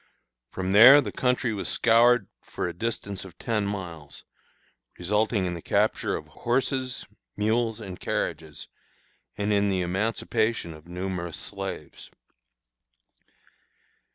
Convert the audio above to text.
From there the country was scoured for a distance of ten miles, resulting in the capture of horses, mules, and carriages, and in the emancipation of numerous slaves.